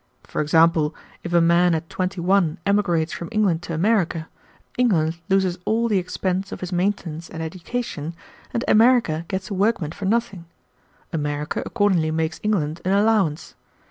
For example, if a man at twenty one emigrates from England to America, England loses all the expense of his maintenance and education, and America gets a workman for nothing. America accordingly makes England an allowance.